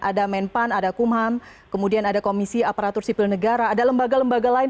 ada menpan ada kumham kemudian ada komisi aparatur sipil negara ada lembaga lembaga lain